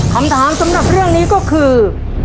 คำถามสำหรับเรื่องนี้ก็คือ